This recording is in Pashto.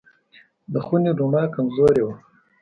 د خونې رڼا کمزورې وه.